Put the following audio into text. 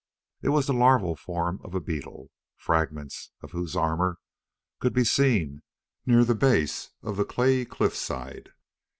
It was the larval form of a beetle, fragments of whose armor could be seen near the base of the clayey cliffside.